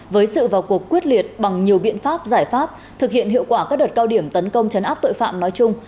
với sự vào cuộc quyết liệt bằng nhiều biện pháp giải pháp thực hiện hiệu quả các đợt cao điểm tấn công chấn áp tội phạm nói chung